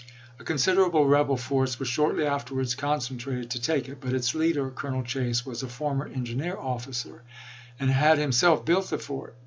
A considerable rebel force was shortly afterwards concentrated to take it ; but its leader, Colonel Chase, was a former engineer officer, and had himself built the fort.